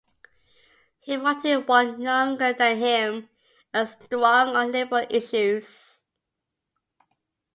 He wanted one younger than him and strong on liberal issues.